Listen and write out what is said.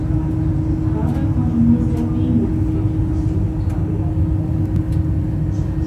Dabei konnte nur sehr wenig kirchliches Inventar gerettet werden.